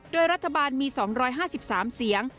โดยรัฐบาลมี๒๕๓เสียง